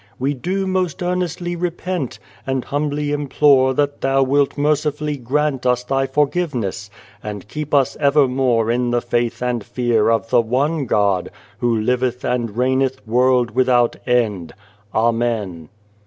We do most earnestly repent, and humbly implore that Thou wilt mercifully grant us Thy forgiveness, and keep us evermore in the faith and fear of the ONE GOD, Who liveth and reigneth world without end. Amen."